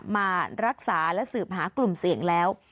มารักษาและสืบหากลุ่มเสี่ยงแล้ว